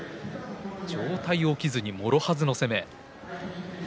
上体起きずにもろはずの攻め。